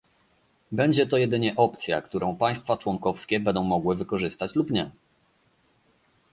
Będzie to jedynie opcja, którą państwa członkowskie będą mogły wykorzystać, lub nie